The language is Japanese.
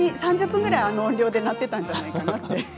３０分ぐらいあの大音量で鳴ってたんじゃないかなと。